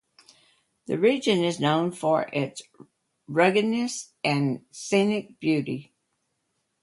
The region is known for its ruggedness and scenic beauty.